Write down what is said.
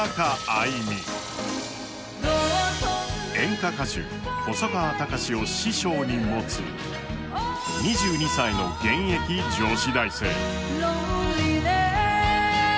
演歌歌手・細川たかしを師匠に持つ、２２歳の現役女子大生。